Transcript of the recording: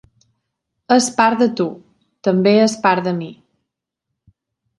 És part de tu, també és part de mi.